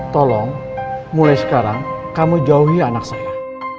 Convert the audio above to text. tolong mulai sekarang kamu jauhi anak saya